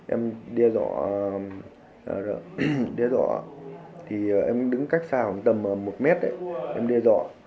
em đe dọa em đứng cách xa tầm một mét em đe dọa